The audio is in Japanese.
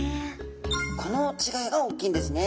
この違いが大きいんですね。